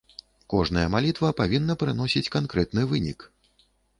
Кожная малітва павінна прыносіць канкрэтны вынік.